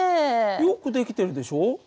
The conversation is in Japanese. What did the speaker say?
よく出来てるでしょ？